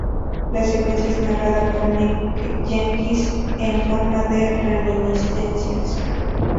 La secuencia es narrada por Nick Jenkins en forma de reminiscencias.